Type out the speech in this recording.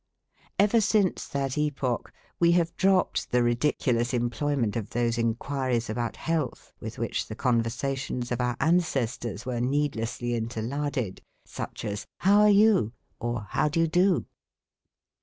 Ever since that epoch we have dropped the ridiculous employment of those inquiries about health with which the conversations of our ancestors were needlessly interlarded, such as "How are you?" or "How do you do?"